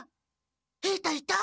平太いた？